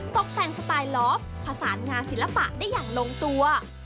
ตกแต่งสไตล์ลอฟผสานงานศิลปะได้อย่างลงตัว